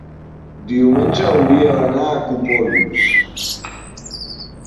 diumenge hauria d'anar a Copons.